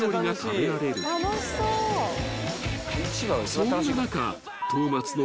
［そんな中］